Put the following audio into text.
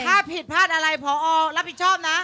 ถ้าผิดพลาดอะไรพอรับผิดชอบนะ